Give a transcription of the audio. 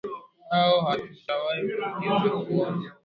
aa hatujawahi kuzoea kuona